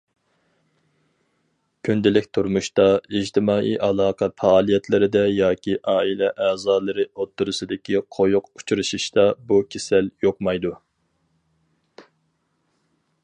كۈندىلىك تۇرمۇشتا، ئىجتىمائىي ئالاقە پائالىيەتلىرىدە ياكى ئائىلە ئەزالىرى ئوتتۇرىسىدىكى قويۇق ئۇچرىشىشتا، بۇ كېسەل يۇقمايدۇ.